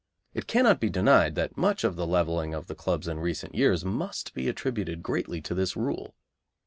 It cannot be denied that much of the levelling of the clubs in recent years must be attributed greatly to this rule.